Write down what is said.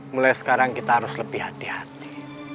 mulai sekarang kita harus lebih hati hati